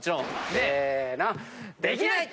できない！